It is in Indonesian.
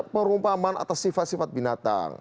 pengumpaman atas sifat sifat binatang